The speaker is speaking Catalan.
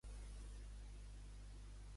Em dius a quina hora estan a Iekaterinburg?